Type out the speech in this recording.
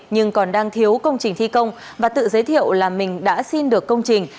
nhưng còn đang thiếu công trình thi công và tự giới thiệu là mình đã xin được công trình